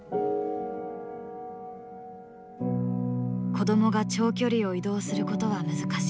子どもが長距離を移動することは難しい。